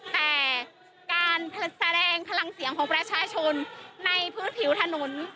แต่การแสดงพลังเสียงของประชาชนในพื้นผิวถนน